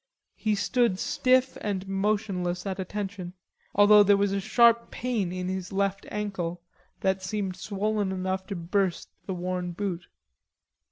He stood stiff and motionless at attention, although there was a sharp pain in his left ankle that seemed swollen enough to burst the worn boot.